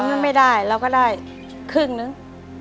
มันไม่ได้เราก็ได้ครึ่งนึง